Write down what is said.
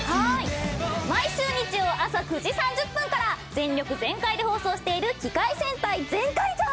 毎週日曜朝９時３０分から全力全開で放送している「機界戦隊ゼンカイジャー」